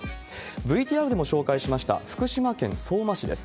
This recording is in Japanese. ＶＴＲでも紹介しました、福島県相馬市です。